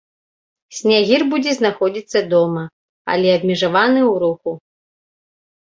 Снягір будзе знаходзіцца дома, але абмежаваны ў руху.